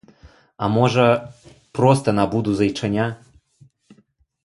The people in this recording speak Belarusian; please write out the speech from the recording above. А можа, проста набуду зайчаня.